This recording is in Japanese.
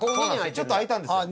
ちょっと空いたんですよ。